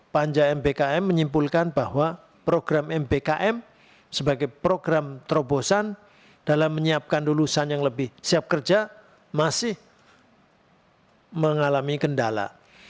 panja mbkm menyimpulkan bahwa program mbkm sebagai program terobosan dalam menyiapkan lulusan yang lebih siap kerja masih mengalami kendala